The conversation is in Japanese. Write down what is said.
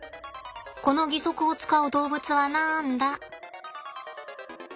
この義足を使う動物はなんだ？